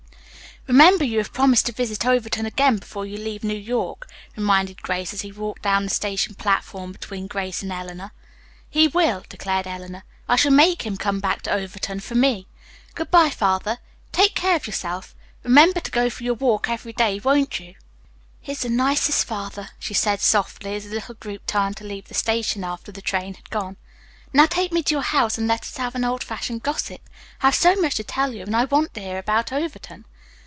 "Remember, you have promised to visit Overton again before you leave New York," reminded Grace as he walked down the station platform between Grace and Eleanor. "He will," declared Eleanor. "I shall make him come back to Overton for me. Good bye, Father. Take care of yourself. Remember to go for your walk every day, won't you? He's the nicest father," she said softly as the little group turned to leave the station after the train had gone. "Now take me to your house and let us have an old fashioned gossip. I have so much to tell you, and I want to hear about Overton."